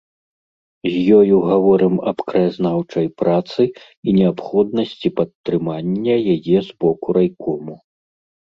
З ёю гаворым аб краязнаўчай працы і неабходнасці падтрымання яе з боку райкому.